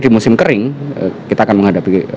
di musim kering kita akan menghadapi